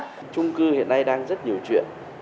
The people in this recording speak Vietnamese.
trung cư hiện nay đang rất nhiều chuyện